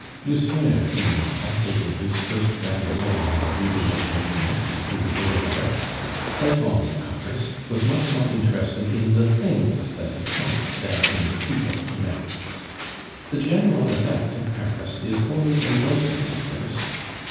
Lucien, meanwhile, taking his first ramble along the Rue de la Paix and through the Boulevards, like all newcomers, was much more interested in the things that he saw than in the people he met. The general effect of Paris is wholly engrossing at first.